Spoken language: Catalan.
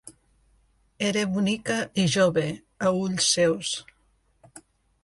Era bonica i jove a ulls seus.